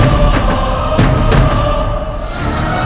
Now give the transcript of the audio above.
dan menghentikan raiber